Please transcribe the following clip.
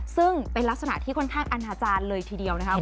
ซึ่งเป็นลักษณะที่ค่อนข้างอนาจารย์เลยทีเดียวนะครับ